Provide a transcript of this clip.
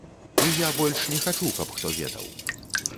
І я больш не хачу, каб хто ведаў.